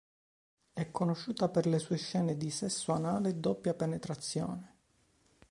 È conosciuta per le sue scene di sesso anale, doppia penetrazione.